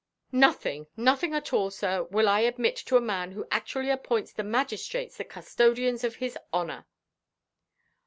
"Nothing, nothing at all, sir, will I admit to a man who actually appoints the magistrates the custodians of his honour."